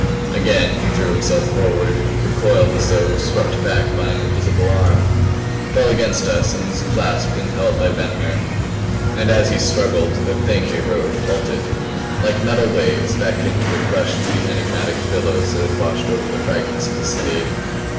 Again he threw himself forward; recoiled as though swept back by an invisible arm; fell against us and was clasped and held by Ventnor. And as he struggled the Thing we rode halted. Like metal waves back into it rushed the enigmatic billows that had washed over the fragments of the city.